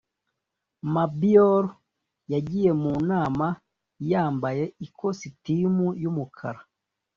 Mabior yagiye mu nama yambaye ikositimu y’umukara